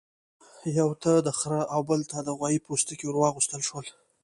یوه ته د خرۀ او بل ته د غوايي پوستکی ورواغوستل شو.